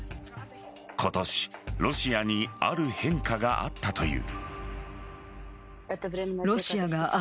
今年、ロシアにある変化があったという。